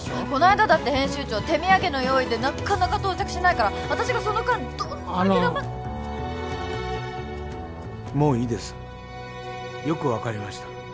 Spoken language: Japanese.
こないだだって編集長手土産の用意でなかなか到着しないから私がその間どんなに頑張ってあのもういいですよく分かりました